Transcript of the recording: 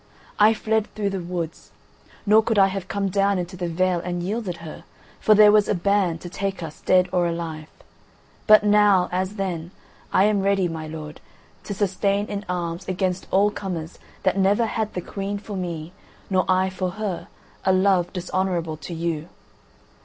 I fled through the woods. Nor could I have come down into the vale and yielded her, for there was a ban to take us dead or alive. But now, as then, I am ready, my lord, to sustain in arms against all comers that never had the Queen for me, nor I for her a love dishonourable to you.